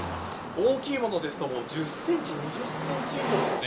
大きいものですと１０センチ２０センチ以上です。